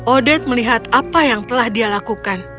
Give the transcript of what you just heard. odette melihat apa yang telah dia lakukan